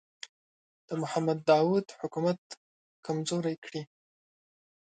د محمد داوود حکومت کمزوری کړي.